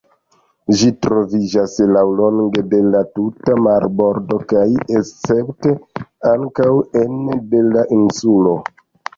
Ĝi troviĝas laŭlonge de la tuta marbordo kaj escepte ankaŭ ene de la insulo.